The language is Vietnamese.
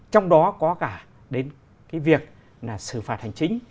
trong đó có cả đến việc xử phạt hành chính